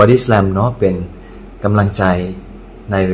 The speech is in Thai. แล้ววันนี้ผมมีสิ่งหนึ่งนะครับเป็นตัวแทนกำลังใจจากผมเล็กน้อยครับ